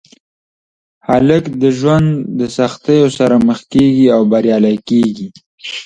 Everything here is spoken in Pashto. هلک د ژوند د سختیو سره مخ کېږي او بریالی کېږي.